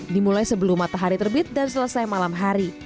dimulai sebelum matahari terbit dan selesai malam hari